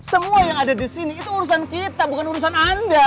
semua yang ada di sini itu urusan kita bukan urusan anda